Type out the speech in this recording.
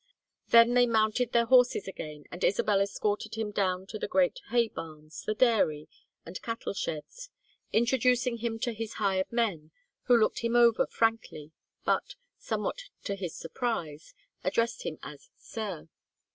Then they mounted their horses again and Isabel escorted him down to the great hay barns, the dairy, and cattle sheds, introducing him to his hired men, who looked him over frankly, but, somewhat to his surprise, addressed him as "sir."